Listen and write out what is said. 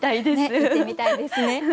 行ってみたいですね。